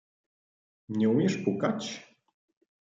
Nie umiesz pukać?